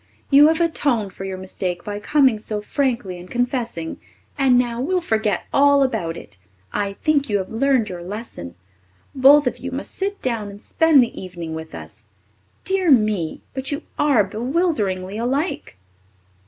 You have atoned for your mistake by coming so frankly and confessing, and now we'll forget all about it. I think you have learned your lesson. Both of you must just sit down and spend the evening with us. Dear me, but you are bewilderingly alike!"